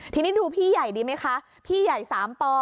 ทีนี้ดูพี่ใหญ่ดีไหมคะพี่ใหญ่๓ปอ